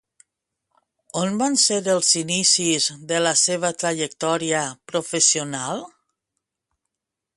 On van ser els inicis de la seva trajectòria professional?